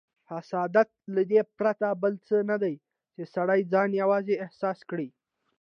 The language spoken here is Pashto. حسادت له دې پرته بل څه نه دی، چې سړی ځان یوازې احساس کړي.